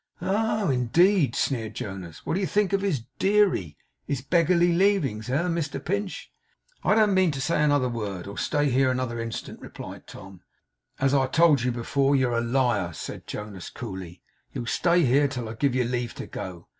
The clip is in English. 'Oh indeed!' sneered Jonas. 'And what do you think of his deary his beggarly leavings, eh, Mister Pinch?' 'I don't mean to say another word, or stay here another instant,' replied Tom. 'As I told you before, you're a liar,' said Jonas, coolly. 'You'll stay here till I give you leave to go.